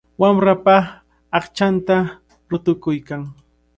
Wamrapa aqchanta rutuykan.